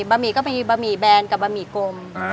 ะหมี่ก็มีบะหมี่แบนกับบะหมี่กลม